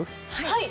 はい。